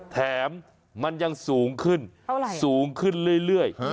แถมมันยังสูงขึ้นสูงขึ้นเรื่อย